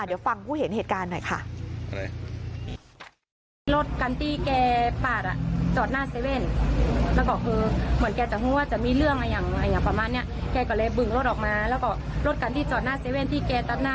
เดี๋ยวฟังผู้เห็นเหตุการณ์หน่อยค่ะ